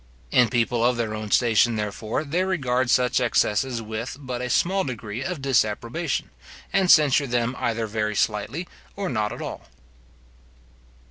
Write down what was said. In people of their own station, therefore, they regard such excesses with but a small degree of disapprobation, and censure them either very slightly or not at all.